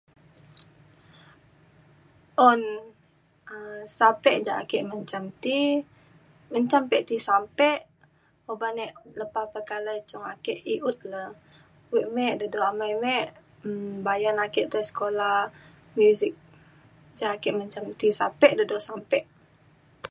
un um sape ja ake menjam ti menjam ke ti sampe uban e lepa pekalai cung ake i’ut le. wek me de dua amai me um bayan ake tai ke sekula muzik ca ake menjam ti sampe de dua sampe